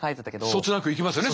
そつなくいきますよね